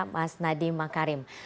mas nadiem makarim